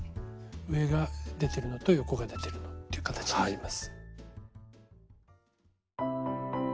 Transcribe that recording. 上が出てるのと横が出てるという形になります。